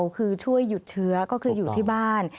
คือช่วยหยุดเชื้อก็คืออยู่ที่บ้าน